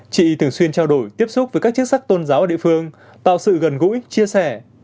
chị thường xuyên trao đổi tiếp xúc với các chức sắc tôn giáo ở địa phương tạo sự gần gũi chia sẻ